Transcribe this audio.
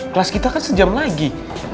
kelas kita kan sejam lagi